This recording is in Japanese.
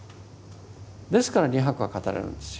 ですから２００話語れるんですよ。